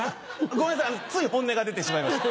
ごめんなさいつい本音が出てしまいました。